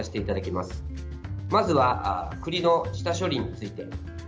まずは栗の下処理について。